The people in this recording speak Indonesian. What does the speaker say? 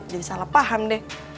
jadi salah paham deh